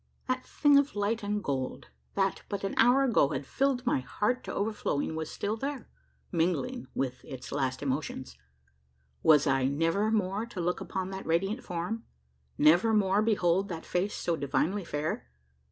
That thing of light and gold that but an hour ago had filled my heart to overflowing was still there, mingling with its last emotions! Was I never more to look upon that radiant form? never more behold that face so divinely fair?